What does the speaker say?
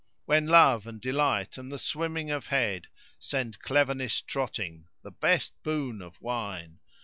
When love and delight and the swimming of head * Send cleverness trotting, the best boon of wine.